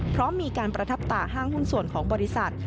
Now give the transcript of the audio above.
เพราะมีการประทับตาห้างหุ้นส่วนของบริษัท